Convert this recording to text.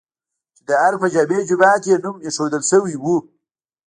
چې د ارګ په جامع جومات یې نوم ايښودل شوی و؟